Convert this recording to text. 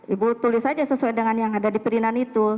ibu tulis saja sesuai dengan yang ada di perinan itu